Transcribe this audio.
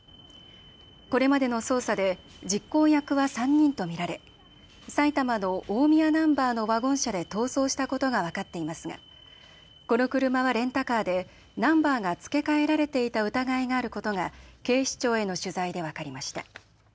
これまでの捜査で実行役は３人と見られ埼玉の大宮ナンバーのワゴン車で逃走したことが分かっていますがこの車はレンタカーでナンバーが付け替えられていた疑いがあることが警視庁への取材で分かりました。